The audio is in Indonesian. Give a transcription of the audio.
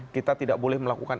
kita tidak boleh melakukan